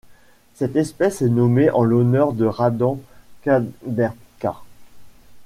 Cette espèce est nommée en l'honneur de Radan Kaderka.